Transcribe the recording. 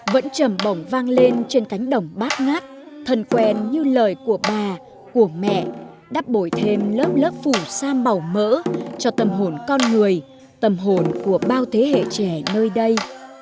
vẫn trầm bổng vang lên trên cánh đồng bát ngát thân quen như lời của bà của mẹ đắp bồi thêm lớp lớp phủ sam màu mỡ cho tâm hồn con người tâm hồn của bao thế hệ trẻ nơi đây